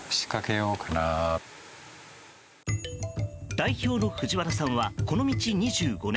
代表の藤原さんはこの道２５年。